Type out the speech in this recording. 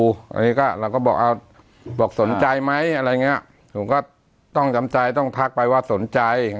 อันนี้ก็เราก็บอกเอาบอกสนใจไหมอะไรอย่างเงี้ยผมก็ต้องจำใจต้องทักไปว่าสนใจ